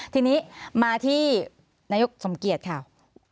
ทีนี้มาที่นายกสมเกียจค่ะ